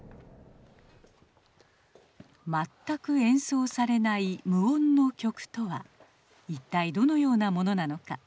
全く演奏されない無音の曲とは一体どのようなものなのか。